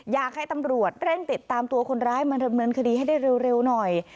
อยากให้ตำรวจเร่งติดตามตัวคนร้ายมาดำเนินคดีให้ได้เร็วหน่อย